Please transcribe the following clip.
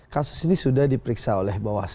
kasus ini sudah diperiksa oleh bawaslu